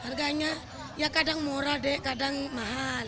harganya ya kadang murah dek kadang mahal